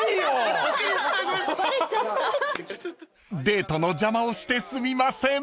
［デートの邪魔をしてすみません］